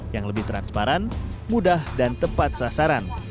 yang lebih transparan mudah dan tepat sasaran